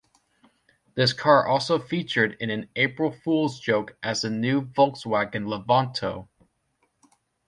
This car also featured in an April Fools joke as the new Volkswagen LeVanto.